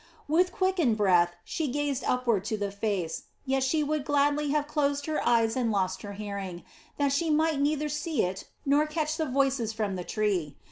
With quickened breath, she gazed upward to the face, yet she would gladly have closed her eyes and lost her hearing, that she might neither see it nor catch the voices from the tree.